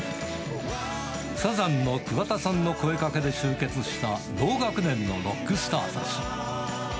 サザンの桑田さんの声かけで集結した、同学年のロックスターたち。